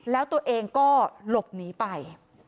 แล้วตัวเองก็หลบหนีไป